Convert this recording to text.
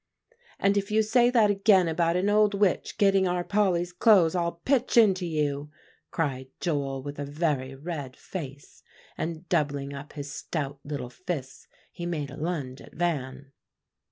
"And if you say that again about an old witch getting our Polly's clothes, I'll pitch into you," cried Joel with a very red face; and doubling up his stout little fists, he made a lunge at Van.